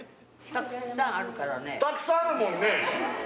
たくさんあるもんね